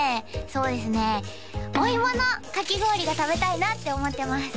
そうですねお芋のかき氷が食べたいなって思ってます